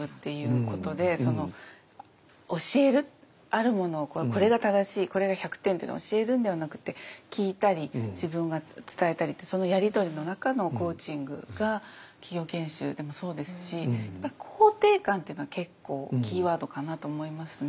教えるあるものをこれが正しいこれが１００点というのを教えるんではなくて聞いたり自分が伝えたりってそのやり取りの中のコーチングが企業研修でもそうですし肯定感というのは結構キーワードかなと思いますね。